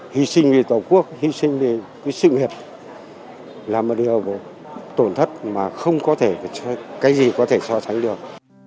hy sinh vì tổ quốc hy sinh thì cái sự nghiệp là một điều tổn thất mà không có thể cái gì có thể so sánh được